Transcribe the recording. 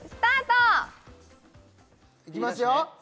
いきますよ